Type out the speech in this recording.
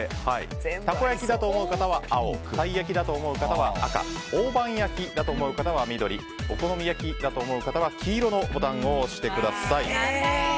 たこ焼きだと思う方は青たい焼きだと思う方は赤大判焼きだと思う方は緑お好み焼きだと思う方は黄色のボタンを押してください。